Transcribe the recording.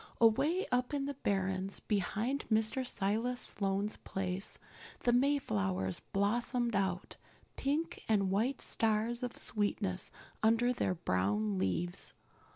Away up in the barrens, behind Mr. Silas Sloane's place, the Mayflowers blossomed out, pink and white stars of sweetness under their brown leaves.